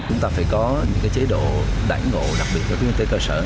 chúng ta phải có những cái chế độ đảng ngộ đặc biệt của tuyến y tế cơ sở